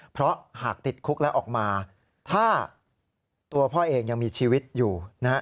เพราะหากติดคุกแล้วออกมาถ้าตัวพ่อเองยังมีชีวิตอยู่นะฮะ